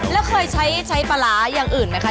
แล้วเคยใช้ปลาร้าอย่างอื่นไหมคะ